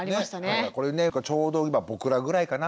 だからこれねちょうど今僕らぐらいかな。